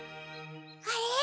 あれ？